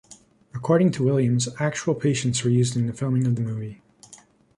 According to Williams, actual patients were used in the filming of the movie.